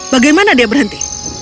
bagaimana dia berhenti